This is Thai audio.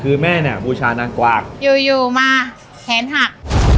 คือแม่เนี่ยบูชานางกวากอยู่อยู่มาแขนหัก